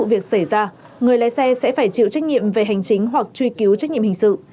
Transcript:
trong những vụ việc xảy ra người lấy xe sẽ phải chịu trách nhiệm về hành chính hoặc truy cứu trách nhiệm hình sự